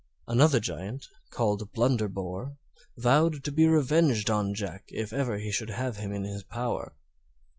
Another Giant, called Blunderbore, vowed to be revenged on Jack if ever he should have him in his power.